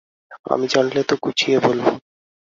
আমি জানলে তো গুছিয়ে বলব।